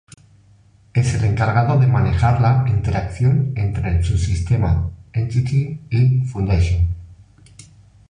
Es el encargado de manejar la interacción entre el subsistema Entity y foundation.